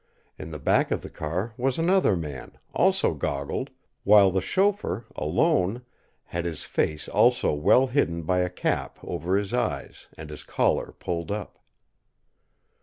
In the back of the car was another man, also goggled, while the chauffeur, alone, had his face also well hidden by a cap over his eyes and his collar pulled up.